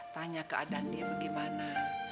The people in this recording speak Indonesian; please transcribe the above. tanya keadaan dia bagaimana